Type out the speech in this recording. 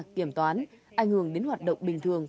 kiểm toán ảnh hưởng đến hoạt động bình thường